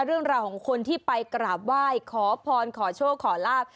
เรื่องราวของคนที่ไปกราบไหว้ขอพรขอโชคขอลาบ